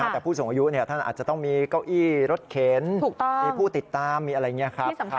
แต่ผู้สูงอายุท่านอาจจะต้องมีเก้าอี้รถเข็นมีผู้ติดตามมีอะไรอย่างนี้ครับ